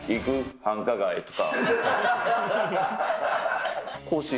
繁華街とか。